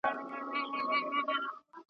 سپی په مخ کي سي د لاري رهنما سي .